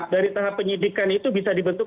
dari tahap penyidikan itu bisa dibentuk